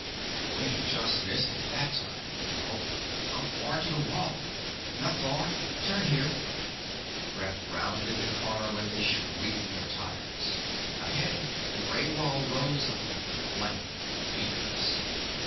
"We just missed it that time!" he called. "How far to the wall?" "Not far! Turn here ..." Brett rounded the corner with a shrieking of tires. Ahead the grey wall rose up, blank, featureless.